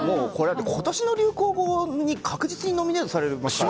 今年の流行語に確実にノミネートされる。